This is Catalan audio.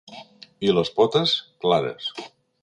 I les potes, clares.